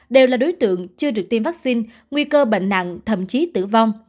đều là đối tượng chưa được tiêm vaccine nguy cơ bệnh nặng thậm chí tử vong